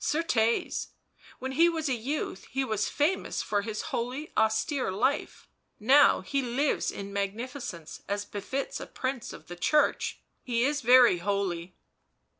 " Certes, when he was a youth he was famous for his holy austere life, now he lives in magnificence as Refits a prince of the Church ... he is very holy."